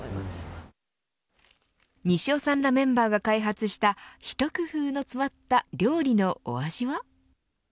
西尾さんらメンバーが開発した一工夫の詰まった料理のお味は。